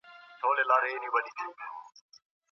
نورشاه